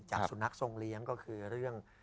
สุนัขทรงเลี้ยงก็คือเรื่อง